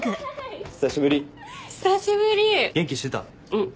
うん。